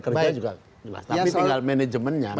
kerja juga jelas tapi tinggal manajemennya